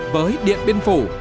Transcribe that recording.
với điện biên phủ